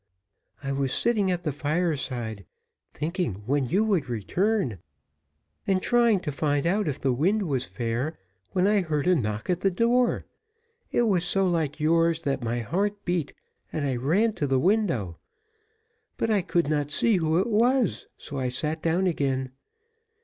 I was sitting at the fireside, thinking when you would return, and trying to find out if the wind was fair, when I heard a knock at the door. It was so like yours, that my heart beat, and I ran to the window, but I could not see who it was, so I sat down again.